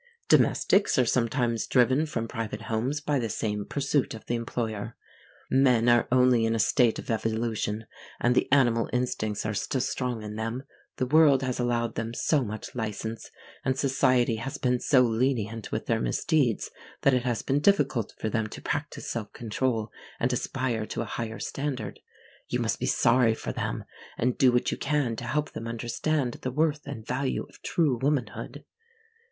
Domestics are sometimes driven from private homes by the same pursuit of the employer. Men are only in a state of evolution, and the animal instincts are still strong in them. The world has allowed them so much license, and society has been so lenient with their misdeeds, that it has been difficult for them to practise self control and aspire to a higher standard. You must be sorry for them and do what you can to help them understand the worth and value of true womanhood.